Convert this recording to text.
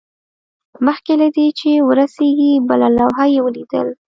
مخکې له دې چې ورسیږي بله لوحه یې ولیدل